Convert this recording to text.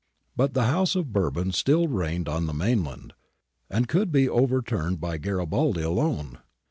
But the House of Bourbon still reigned on the mainland, and could be overturned by Garibaldi alone.